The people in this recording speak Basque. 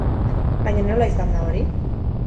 Baina nola izan da hori?